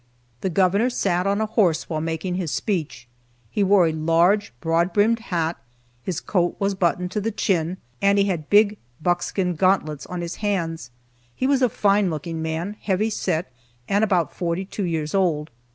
The Governor sat on a horse while making his speech. He wore a large, broad brimmed hat, his coat was buttoned to the chin, and he had big buckskin gauntlets on his hands. He was a fine looking man, heavy set, and about forty two years old.